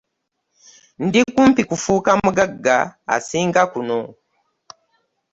Ndi kumpi kufuuka mugagga asinga kuno?